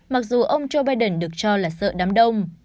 mặc dù ông joe biden được cho là sợ đám đông